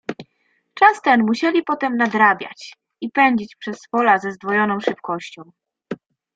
"Czas ten musieli potem nadrabiać i pędzić przez pola ze zdwojoną szybkością."